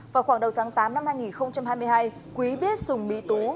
vào khoảng đầu tháng tám năm hai nghìn hai mươi hai quý biết dùng mỹ tú